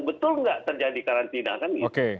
betul nggak terjadi karantina kan gitu